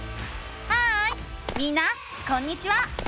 ハーイみんなこんにちは！